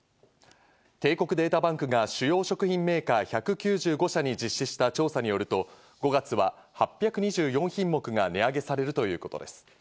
帝国データバンクが主要食品メーカー１９５社に実施した調査によると、５月は８２４品目が値上げされるということです。